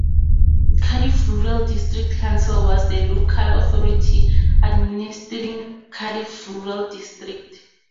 Cardiff Rural District Council was the local authority administering Cardiff Rural District.